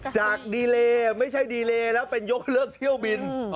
จากดีเลไม่ใช่ดีเลแล้วเป็นยกเลิกเที่ยวบิน